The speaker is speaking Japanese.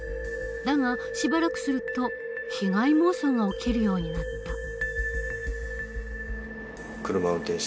だがしばらくすると被害妄想が起きるようになった。